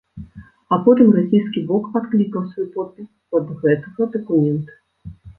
А потым расійскі бок адклікаў свой подпіс з-пад гэтага дакумента.